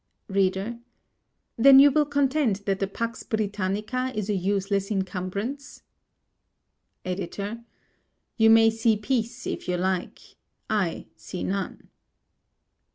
READER: Then you will contend that the Pax Britannica is a useless encumbrance? EDITOR: You may see peace if you like; I see none.